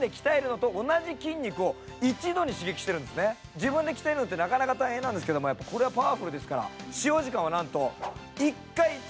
自分で鍛えるのってなかなか大変なんですけれどもこれはパワフルですから。